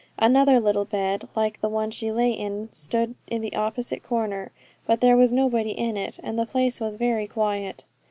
Another little bed like the one she lay in stood in the opposite corner, but there was nobody in it, and the place was very quiet.